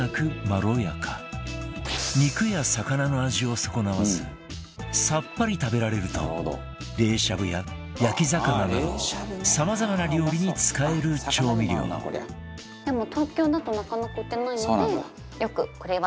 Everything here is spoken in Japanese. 肉や魚の味を損なわずさっぱり食べられると冷しゃぶや焼き魚などさまざまな料理に使える調味料でも。